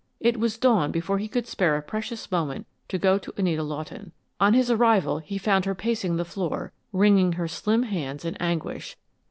It was dawn before he could spare a precious moment to go to Anita Lawton. On his arrival he found her pacing the floor, wringing her slim hands in anguish.